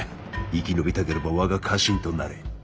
生き延びたければ我が家臣となれ。